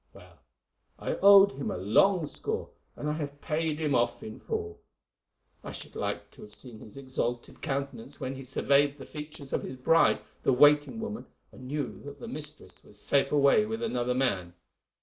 Well, I owed him a long score, and I have paid him off in full. I should like to have seen his exalted countenance when he surveyed the features of his bride, the waiting woman, and knew that the mistress was safe away with another man.